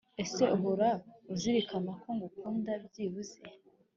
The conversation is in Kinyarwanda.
Ese uhora uzirikana ko ngukunda byibuze